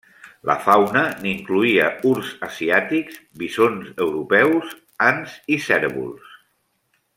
La fauna n'incloïa urs asiàtics, bisons europeus, ants i cérvols.